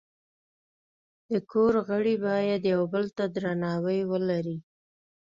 د کور غړي باید یو بل ته درناوی ولري.